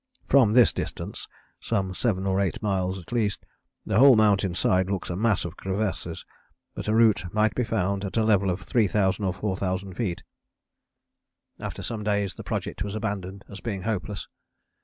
From this distance (some 7 or 8 miles at least) the whole mountain side looks a mass of crevasses, but a route might be found at a level of 3000 or 4000 feet." After some days the project was abandoned as being hopeless.